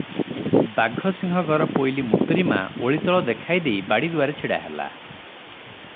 ବାଘସିଂହ ଘର ପୋଇଲୀ ମୃତୁରୀମା ଓଳିତଳ ଦେଖାଇଦେଇ ବାଡ଼ିଦୁଆରେ ଛିଡ଼ାହେଲା ।